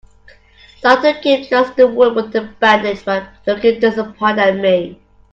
Doctor Kim dressed the wound with a bandage while looking disappointed at me.